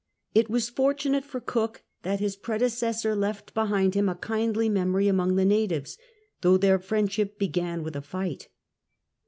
It was fortun ate for Cook that his predecessor left behind him a kindly memory among the natives, though their friendship began with a fight.